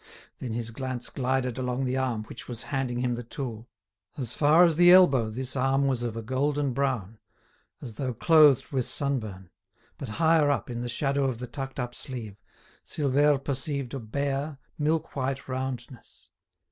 Then his glance glided along the arm which was handing him the tool; as far as the elbow this arm was of a golden brown, as though clothed with sun burn; but higher up, in the shadow of the tucked up sleeve, Silvère perceived a bare, milk white roundness.